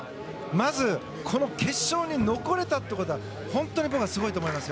まずこの決勝に残れたということは本当に僕はすごいと思います。